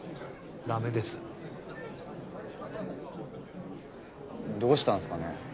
ダメですどうしたんすかね？